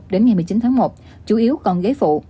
đến ngày một mươi chín tháng một chủ yếu còn ghế phụ